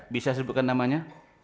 bisa sebutkan namanya